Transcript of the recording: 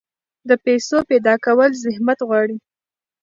د پیسو پیدا کول زحمت غواړي.